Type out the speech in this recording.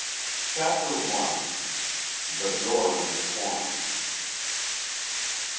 CHAPTER ONE. THE DOOR IN THE CORNER.